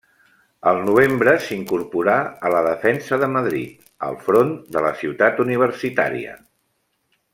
El novembre s'incorporà a la defensa de Madrid al front de la Ciutat Universitària.